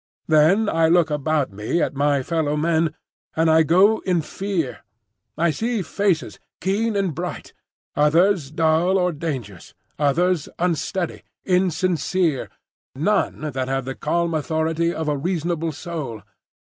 Then I look about me at my fellow men; and I go in fear. I see faces, keen and bright; others dull or dangerous; others, unsteady, insincere,—none that have the calm authority of a reasonable soul.